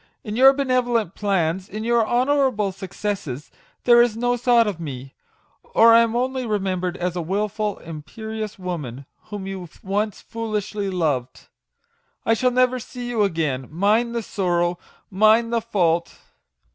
In your benevolent plans, in your honourable successes, there is no thought of me ; or I am only remembered as a wilful, imperious woman, whom you once foolishly loved. I shall never see you again mine the sorrow, mine the fault